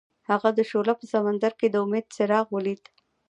هغه د شعله په سمندر کې د امید څراغ ولید.